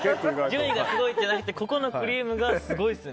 順位がすごいんじゃなくてここのクリームがすごいです。